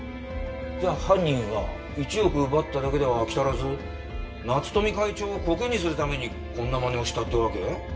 じゃあ犯人は１億奪っただけでは飽き足らず夏富会長をこけにするためにこんなまねをしたってわけ？